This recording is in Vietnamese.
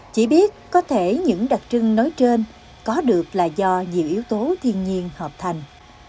chỉ biết có thể những đặc trưng nói trên có được là do nhiều yếu tố thiên nhiên hợp thành